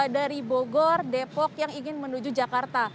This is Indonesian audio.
dari bogor depok yang ingin menuju jakarta